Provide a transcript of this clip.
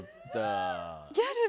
ギャルだ。